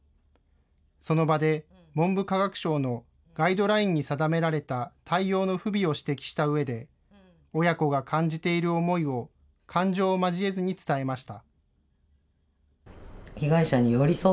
その場で文部科学省のガイドラインに定められた対応の不備を指摘したうえで、親子が感じている思いを感情を交えずに伝えました。